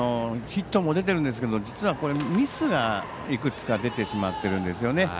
ヒットも出ているんですけど実は、これはミスがいくつか出てしまっているんですよね。